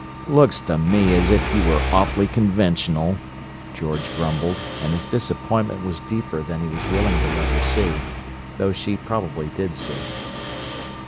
"Looks to me as if you were awfully conventional," George grumbled; and his disappointment was deeper than he was willing to let her see—though she probably did see.